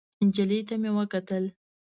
نجلۍ ته مې وکتل.